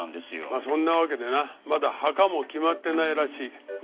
まあそんなわけでなまだ墓も決まってないらしい。